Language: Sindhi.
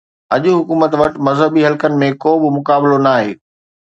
اڄ حڪومت وٽ مذهبي حلقن ۾ ڪو به مقابلو ناهي